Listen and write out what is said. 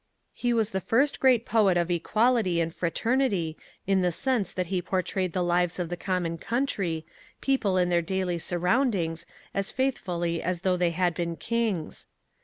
He was the first great poet of equality and fraternity in the sense that he portrayed the lives of common country, people in their daily surroundings as faithfully as though they had been kings.